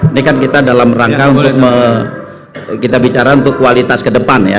ini kan kita dalam rangka untuk kita bicara untuk kualitas ke depan ya